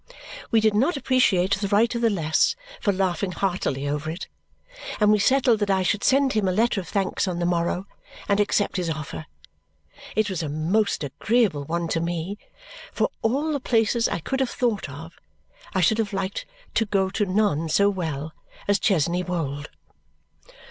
We did not appreciate the writer the less for laughing heartily over it, and we settled that I should send him a letter of thanks on the morrow and accept his offer. It was a most agreeable one to me, for all the places I could have thought of, I should have liked to go to none so well as Chesney Wold.